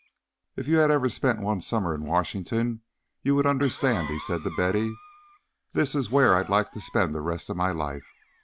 "If you ever had spent one summer in Washington, you would understand," he said to Betty. "This is where I'd like to spend the rest of my life.